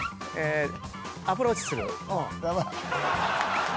アプローチする。